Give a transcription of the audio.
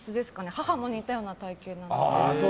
母も似たような体形で。